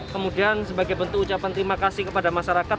kemudian sebagai bentuk ucapan terima kasih kepada masyarakat